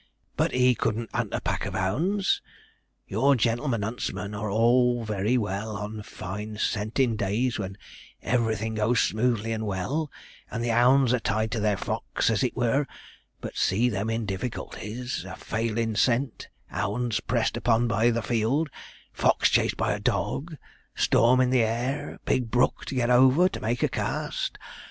But he couldn't 'unt a pack of 'ounds. Your gen'l'men 'untsmen are all very well on fine scentin' days when everything goes smoothly and well, and the 'ounds are tied to their fox, as it were; but see them in difficulties a failing scent, 'ounds pressed upon by the field, fox chased by a dog, storm in the air, big brook to get over to make a cast.